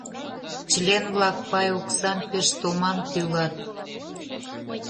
Член-влак пай оксам пеш томам тӱлат.